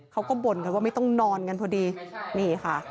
เขาก็บ่นกันว่าไม่ต้องนอนกันพอดีนี่ค่ะ